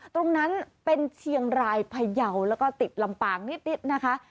ตรงนั้นเป็นเชียงรายพยาวแล้วก็ติดลำปางนิดนะคะ